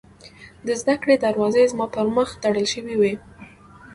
د زدکړې دروازې زما پر مخ تړل شوې وې